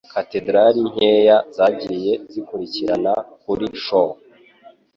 Katedrali nkeya zagiye zikurikirana kuri show,